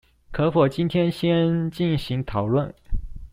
可否今天先進行討論